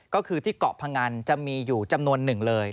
ก็คือที่เกาะพงันจะมีอยู่จำนวนหนึ่งเลย